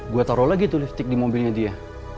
gue taruh lagi tuh lipstick di mobilnya dia